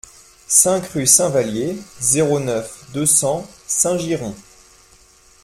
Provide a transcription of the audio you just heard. cinq rue Saint-Valier, zéro neuf, deux cents Saint-Girons